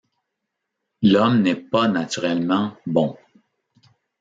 L'Homme n'est pas naturellement bon.